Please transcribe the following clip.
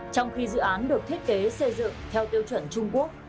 trong khi dự án được thiết kế xây dựng theo tiêu chuẩn trung quốc